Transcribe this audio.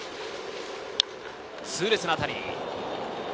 痛烈な当たり。